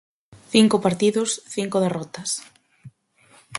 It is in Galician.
Cinco partidos, cinco derrotas.